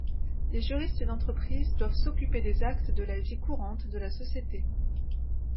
Les juristes d'entreprise doivent s'occuper des actes de la vie courante de la société.